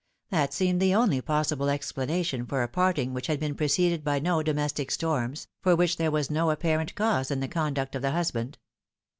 That seemed the only possible explanation for a parting which had been preceded by no domestic storms, for which there was no apparent cause in the conduct of the hus band.